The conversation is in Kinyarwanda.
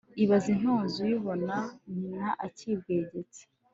izaba intozo uyibona nyina ikiyibwegetse